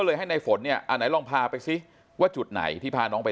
ให้ในฝนเนี่ยอ่าไหนลองพาไปซิว่าจุดไหนที่พาน้องไป